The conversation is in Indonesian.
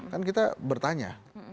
kan kita bertanya